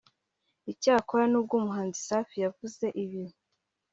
Icyakora nubwo umuhanzi Safi yavuze ibi